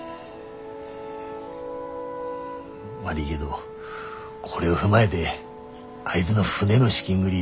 悪いげどこれを踏まえであいづの船の資金繰り